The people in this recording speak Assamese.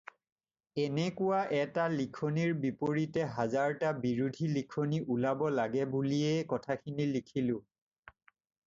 এনেকুৱা এটা লিখনিৰ বিপৰিতে হাজাৰটা বিৰোধী লিখনি ওলাব লাগে বুলিয়ে কথাখিনি লিখিলোঁ।